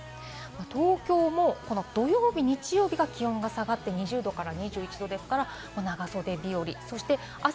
東京も土曜日、日曜日は気温が下がって２０度から２１度ですから長袖日和。